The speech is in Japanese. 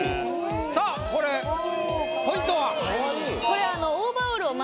さぁこれポイントは？